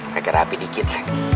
kagak rapi dikit